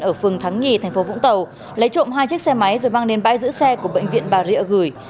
ở phường thắng ngh thành phố vũng tàu lấy trộm hai chiếc xe máy rồi mang đến bãi giữ xe của bệnh viện bà rịa gửi